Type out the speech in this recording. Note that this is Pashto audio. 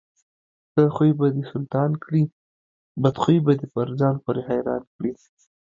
ښه خوى به دسلطان کړي، بدخوى به دپرځان پورې حيران کړي.